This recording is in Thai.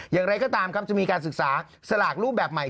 อย่างไรก็ตามครับจะมีการศึกษาสลากรูปแบบใหม่